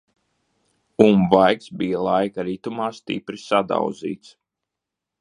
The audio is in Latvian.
Un vaigs bija laika ritumā stipri sadauzīts.